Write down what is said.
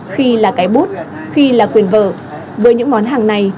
khi là cái bút khi là quyền vở với những món hàng này